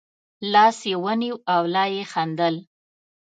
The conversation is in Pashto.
لاس یې ونیو او لا یې خندل.